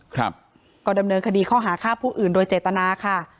ครับก็ดำเนินคดีข้อหาฆ่าผู้อื่นโดยเจตนาค่ะ